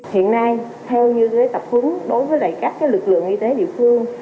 hiện nay theo như tập quấn đối với các lực lượng y tế địa phương